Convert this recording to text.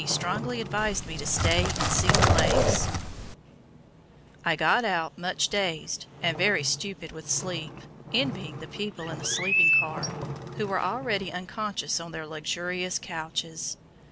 strongly advised me to stay and see the lakes, I got out, much dazed, and very stupid with sleep, envying the people in the sleeping car, who were already unconscious on their luxurious couches.